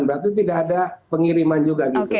berarti tidak ada pengiriman juga gitu